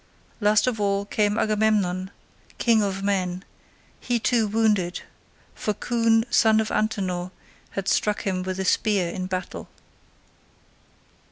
Last of all came Agamemnon, king of men, he too wounded, for Coon son of Antenor had struck him with a spear in battle.